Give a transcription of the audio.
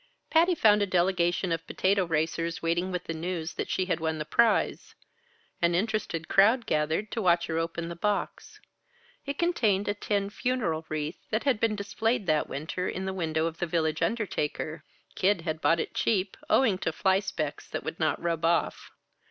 Patty found a delegation of potato racers waiting with the news that she had won the prize. An interested crowd gathered to watch her open the box; it contained a tin funeral wreath that had been displayed that winter in the window of the village undertaker Kid had bought it cheap, owing to fly specks that would not rub off.